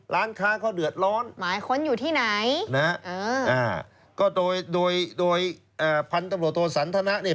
ร้านค้าเขาเดือดร้อนก็โดยพันธุ์ตำรวจโทสันธนาเนี่ย